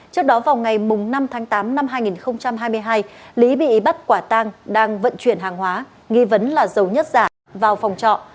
trước đó vào ngày năm tháng tám năm hai nghìn hai mươi hai lý bị bắt quả tang đang vận chuyển hàng hóa nghi vấn là dầu nhất giả vào phòng trọ